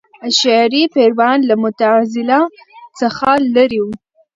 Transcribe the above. اشعري پیروان له معتزله څخه لرې وو.